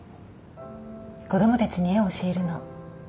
子供たちに絵を教えるの。